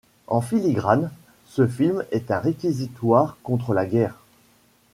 En filigrane, ce film est un réquisitoire contre la guerre.